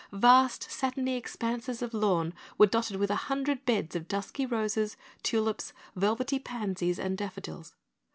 Vast satiny expanses of lawn were dotted with a hundred beds of dusky roses, tulips, velvety pansies and daffodils.